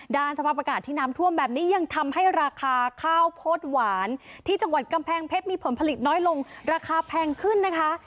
สภาพอากาศที่น้ำท่วมแบบนี้ยังทำให้ราคาข้าวโพดหวานที่จังหวัดกำแพงเพชรมีผลผลิตน้อยลงราคาแพงขึ้นนะคะ